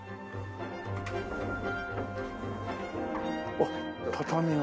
あっ畳が。